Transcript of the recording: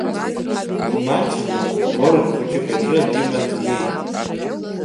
Имаҷны, горад хәыҷык аҿы диман днеит.